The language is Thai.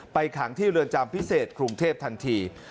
ขังที่เรือนจำพิเศษกรุงเทพทันที